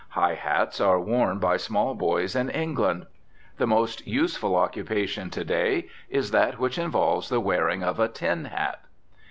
High hats are worn by small boys in England. The most useful occupation to day is that which envolves the wearing of a "tin hat."